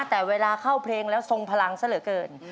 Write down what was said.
แต่เวลาเข้าเพลงแล้วทรงพลังซะเหลือเกิน